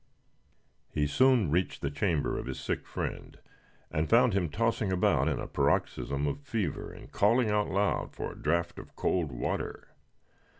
He soon reached the chamber of his sick friend, and found him tossing about in a paroxysm of fever, and calling aloud for a draught of cold water.